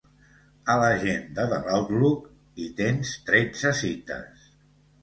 A l'agenda de l'Outlook, hi tens tretze cites.